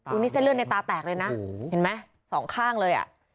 นี่เส้นเลือดในตาแตกเลยนะเห็นไหมสองข้างเลยอ่ะ